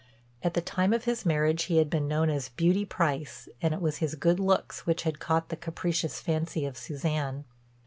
At the time of his marriage he had been known as "Beauty Price" and it was his good looks which had caught the capricious fancy of Suzanne.